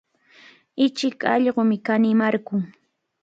Ichik allqumi kanimarqun.